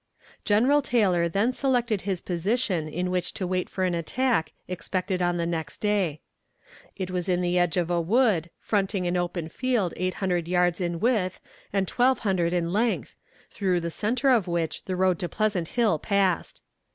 General Taylor then selected his position in which to wait for an attack expected on the next day. It was in the edge of a wood, fronting an open field eight hundred yards in width and twelve hundred in length, through the center of which the road to Pleasant Hill passed.